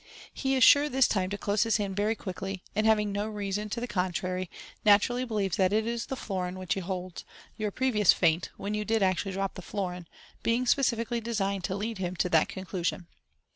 He is sure this time to close his hand very quickly, and, having no reason to the con trary, naturally believes that it is the florin which he holds, your pre vious feint, when you did actually drop the florin, being specially designed to lead him to that conclusion.